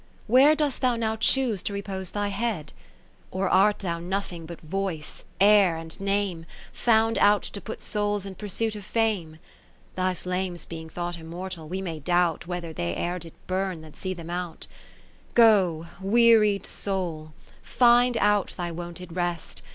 Where dost thou now choose to re pose thy head ? Or art thou nothing but voice, air and name, Found out to put souls in pursuit of fame ? Thy flames being thought immortal, we may doubt Whether they e'er did burn that see them out. Go, wearied Soul, find out thy wonted rest.